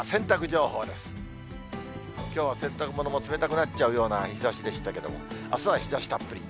きょうは洗濯物も冷たくなっちゃうような日ざしでしたけども、あすは日ざしたっぷり。